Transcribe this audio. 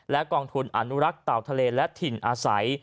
กองทุนอนุรักษ์เต่าทะเลและถิ่นอาศัย